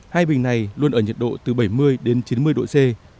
hai bình này luôn ở nhiệt độ từ bảy mươi đến chín mươi độ c